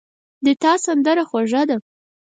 د تا سندره خوږه ده